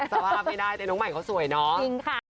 สภาพไม่ได้แต่น้องใหม่เขาสวยเนาะ